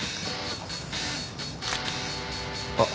あっ。